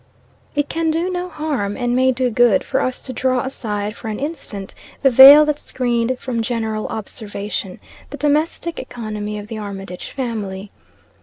It can do no harm, and may do good, for us to draw aside for an instant the veil that screened from general observation the domestic economy of the Armitage family.